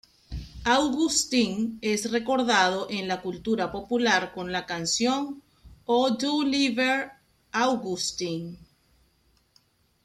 Augustin es recordado en la cultura popular con la canción ""Oh du lieber Augustin"".